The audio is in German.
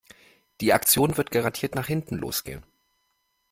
Die Aktion wird garantiert nach hinten los gehen.